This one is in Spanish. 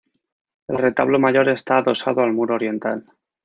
El retablo mayor está adosado al muro oriental.